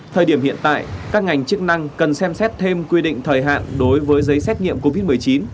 thời điểm hiện tại các ngành chức năng cần xem xét thêm quy định thời hạn đối với giấy xét nghiệm covid một mươi chín